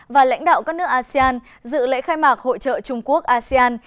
và lãnh đạo các nước asean dự lễ khai mạc hội trợ trung quốc asean